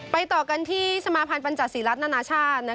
ต่อกันที่สมาภัณฑ์ปัญจศรีรัฐนานาชาติ